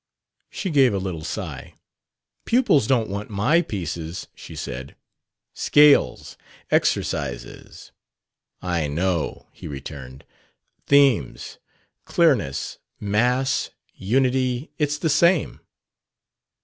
She gave a little sigh. "Pupils don't want my pieces," she said. "Scales; exercises..." "I know," he returned. "Themes, clearness, mass, unity.... It's the same."